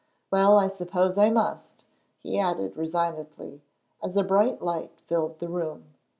Well, I suppose I must," he added resignedly, as a bright light filled the room.